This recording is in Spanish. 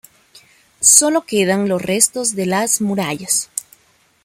Sólo quedan los restos de las murallas.